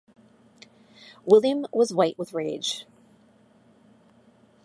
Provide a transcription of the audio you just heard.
William was white with rage.